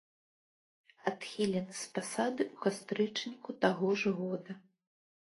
Адхілены з пасады ў кастрычніку таго ж года.